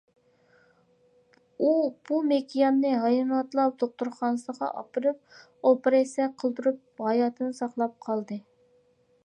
ئۇ بۇ مېكىياننى ھايۋاناتلار دوختۇرخانىسىغا ئاپىرىپ ئوپېراتسىيە قىلدۇرۇپ ھاياتىنى ساقلاپ قالدى.